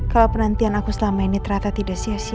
kalau penantian aku selama ini ternyata tidak sia sia